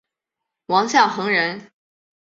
王象恒人。